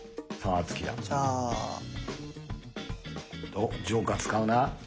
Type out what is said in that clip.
おジョーカー使うな。